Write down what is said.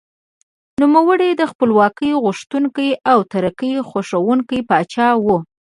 نوموړی خپلواکي غوښتونکی او ترقي خوښوونکی پاچا و.